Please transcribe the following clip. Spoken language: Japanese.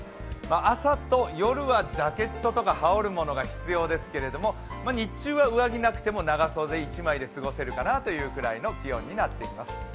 朝と里夜はジャケットとか羽織るものが必要ですが、日中は上着なくても長袖一枚で過ごせるかなというぐらいの気温になっています。